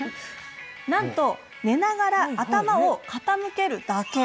なんと寝ながら頭を傾けるだけ！